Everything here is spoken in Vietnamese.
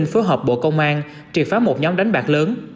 phối hợp bộ công an triệt phá một nhóm đánh bạc lớn